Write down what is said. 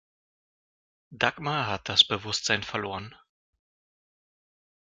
Dagmar hat das Bewusstsein verloren.